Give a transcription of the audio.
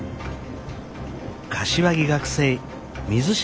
柏木学生水島